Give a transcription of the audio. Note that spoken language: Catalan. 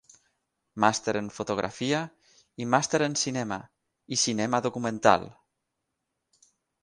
Màster en Fotografia i màster en Cinema i Cinema Documental.